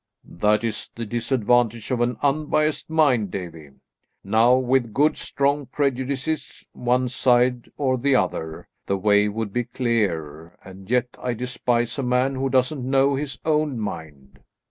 "That is the disadvantage of an unbiased mind, Davie. Now, with good, strong prejudices, one side or the other, the way would be clear, and yet I despise a man who doesn't know his own mind."